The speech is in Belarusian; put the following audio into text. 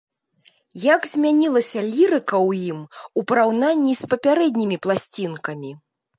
Як змянілася лірыка ў ім у параўнанні з папярэднімі пласцінкамі?